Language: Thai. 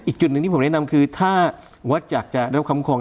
อีกจุดหนึ่งที่ผมแนะนำคือถ้าวัดอยากจะรับคำครอง